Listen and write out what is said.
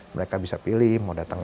mereka bisa pilih mereka bisa mencari